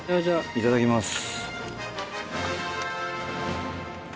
いただきます。